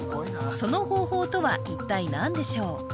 その方法とは一体何でしょう？